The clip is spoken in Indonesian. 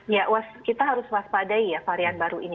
ya kita harus waspadai ya varian baru ini